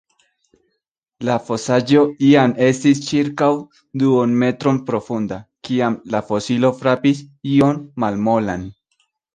La fosaĵo jam estis ĉirkaŭ duonmetron profunda, kiam la fosilo frapis ion malmolan.